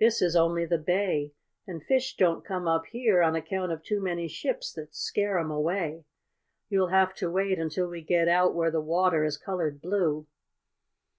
"This is only the bay, and fish don't come up here on account of too many ships that scare 'em away. You'll have to wait until we get out where the water is colored blue."